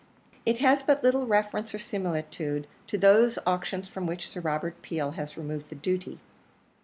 It has but little reference or similitude to those auctions from which Sir Robert Peel has removed the duty.